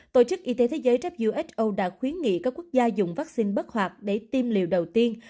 tổ chức y tế thế giới who đã khuyến nghị các quốc gia dùng vaccine bất hoạt để tiêm liều đầu tiên